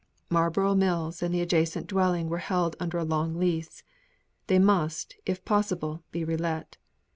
Marlborough Mills and the adjacent dwelling were held under a long lease; they must if possible be relet.